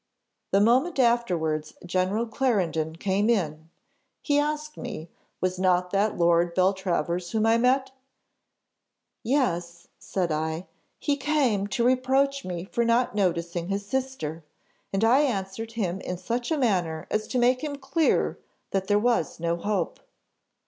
The moment afterwards General Clarendon came in. He asked me, 'Was not that Lord Beltravers whom I met?' "'Yes,' said I; 'he came to reproach me for not noticing his sister, and I answered him in such a manner as to make him clear that there was no hope.